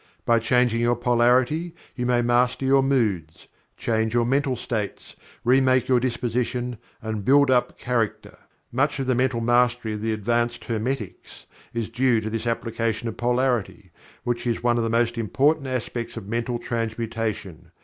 By changing your polarity you may master your moods, change your mental states, remake your disposition, and build up character. Much of the Mental Mastery of the advanced Hermetics is due to this application of Polarity, which is one of the important aspects of Mental Transmutation.